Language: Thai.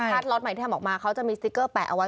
ถ้าล็อตใหม่ที่ทำออกมาเขาจะมีสติ๊กเกอร์แปะเอาไว้